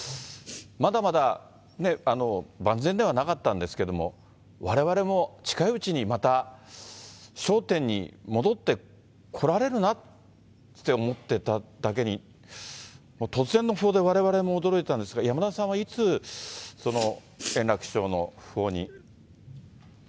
まだまだね、万全ではなかったんですけれども、われわれも近いうちにまた笑点に戻ってこられるなって思ってただけに、突然の訃報でわれわれも驚いたんですが、山田さんはいつ、円楽師匠の訃報に？